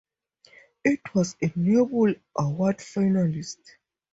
It was a Nebula Award finalist.